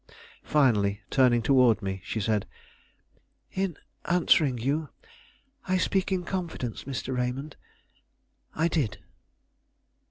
Finally, turning toward me, she said: "In answering you, I speak in confidence. Mr. Raymond, I did."